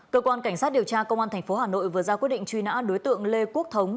cơ quan cảnh sát điều tra công an tp hà nội vừa ra quyết định truy nã đối tượng lê quốc thống